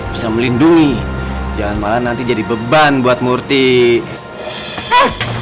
bisa melindungi jangan malah nanti jadi beban buat murti